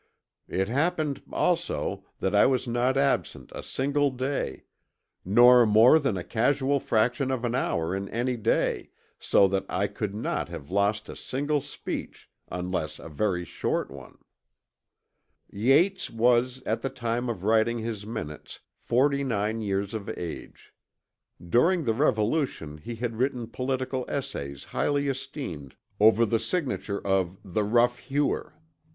It happened, also, that I was not absent a single day, nor more than a casual fraction of an hour in any day, so that I could not have lost a single speech, unless a very short one." Yates was at the time of writing his Minutes 49 years of age. During the Revolution he had written political essays highly esteemed over the signature of the Rough Hewer.